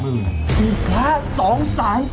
อีกละ๒สาย๗